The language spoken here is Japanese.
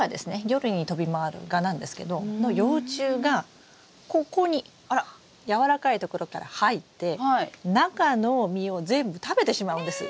夜に飛び回る蛾なんですけどの幼虫がここにやわらかいところから入って中の実を全部食べてしまうんです。